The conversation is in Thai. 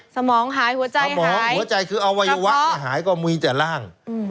สมองหายหัวใจสมองหัวใจคืออวัยวะหายก็มีแต่ร่าง